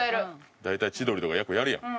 大体千鳥とかよくやるやん。